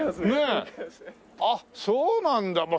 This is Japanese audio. あっそうなんだ。